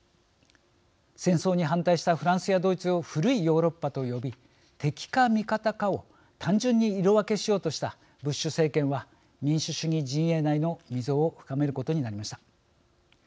戦争に反対したフランスやドイツを古いヨーロッパと呼び敵か味方かを単純に色分けしようとしたブッシュ政権は民主主義陣営内の溝を深めることになりました。